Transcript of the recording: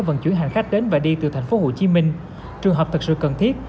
vận chuyển hành khách đến và đi từ tp hcm trường hợp thật sự cần thiết